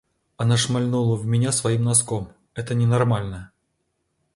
Она шмальнула в меня своим носком, это ненормально!